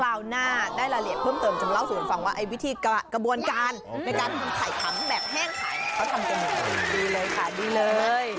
ข้าวหน้าได้รายละเอียดเพิ่มเติมจะเล่าสูญฟังว่าวิธีกระบวนการในการถ่ายคำแบบแห้งขายเขาทำกันดีเลยค่ะ